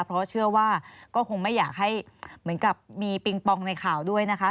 เพราะเชื่อว่าก็คงไม่อยากให้เหมือนกับมีปิงปองในข่าวด้วยนะคะ